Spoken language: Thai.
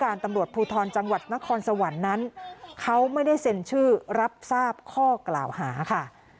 ตำรวจภูทรจังหวัดนครสวรรค์นั้นเขาไม่ได้เซ็นชื่อรับทราบข้อกล่าวหาค่ะ